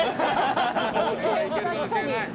確かに。